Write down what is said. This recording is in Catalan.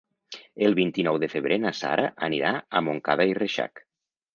El vint-i-nou de febrer na Sara anirà a Montcada i Reixac.